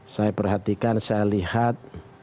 saya perhatikan saya lihat